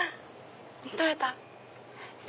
取れた！